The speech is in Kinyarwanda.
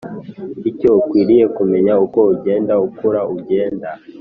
Icyo ukwiriye kumenya Uko ugenda ukura ugenda